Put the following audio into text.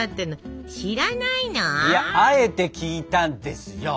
いやあえて聞いたんですよ。